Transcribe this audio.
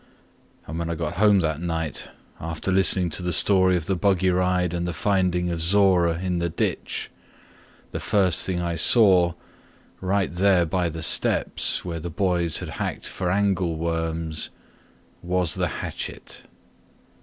And when I got home that night, (After listening to the story of the buggy ride, And the finding of Zora in the ditch,) The first thing I saw, right there by the steps, Where the boys had hacked for angle worms, Was the hatchet!